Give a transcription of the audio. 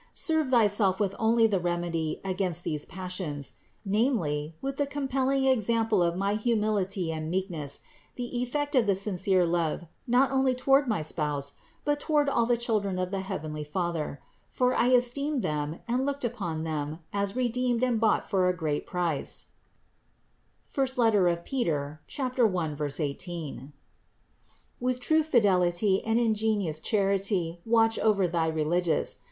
Serve thyself with the only remedy against these passions : namely, with the compell ing example of my humility and meekness, the effect of the sincere love not only toward my spouse, but toward all the children of the heavenly Father; for I esteemed them and looked upon them as redeemed and bought for a great price (I Pet. 1, 18). With true fidelity and in genious chanty watch over thy religious.